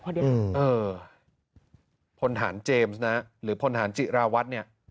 คนเดียเออโผล่หานเจมส์น่ะหรือโผล่หานจิราวัสเนี่ย